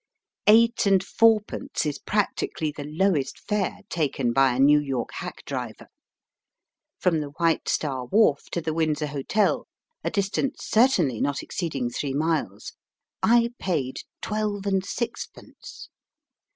Eight and four pence is practically the lowest fare taken by a New York hack driver. From the White Star Wharf to the Windsor Hotel, a distance certainly not exceeding three miles, I paid twelve and sixpence.